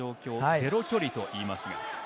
ゼロ距離といいますが。